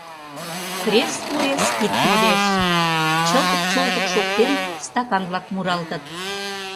Крес-вурес кид модеш, чылтык-чолтык шоктен, стакан-влак муралтыт.